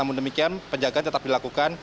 namun demikian penjagaan tetap dilakukan